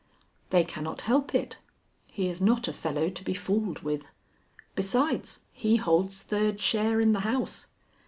"They cannot help it. He is not a fellow to be fooled with. Besides, he holds third share in the house.